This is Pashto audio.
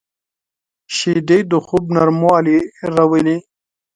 شیدې د خوب نرموالی راولي